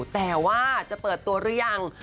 แต่ว่าจะเปิดตัวหรือยัง